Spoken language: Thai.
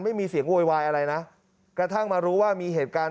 ไม่มีเสียงโวยวายอะไรนะกระทั่งมารู้ว่ามีเหตุการณ์